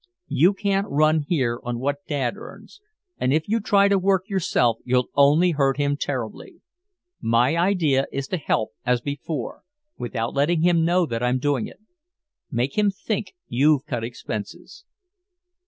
You can't run here on what Dad earns, and if you try to work yourself you'll only hurt him terribly. My idea is to help as before, without letting him know that I'm doing it. Make him think you've cut expenses."